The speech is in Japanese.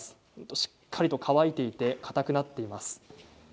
しっかりと乾いていてかたくなっています。